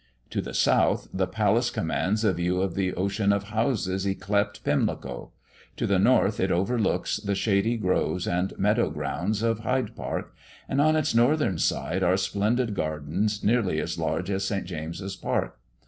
To the south, the palace commands a view of the ocean of houses yclept Pimlico; to the north it overlooks the shady groves and meadow grounds of Hyde park; and on its northern side are splendid gardens nearly as large as St. James's park.